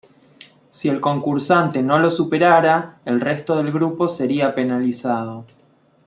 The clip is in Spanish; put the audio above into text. Si el concursante no lo superara, el resto del grupo sería penalizado.